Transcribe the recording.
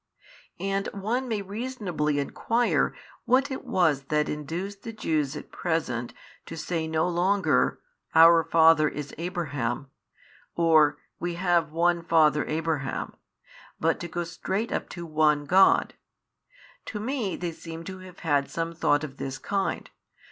And one may reasonably enquire what it was that induced the Jews at present to say no longer, Our father is Abraham, or, We have one father Abraham, but to go straight up to One God. To me they seem to have had some thought of this kind.